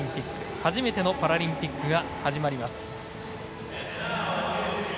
初めてのパラリンピックが始まります。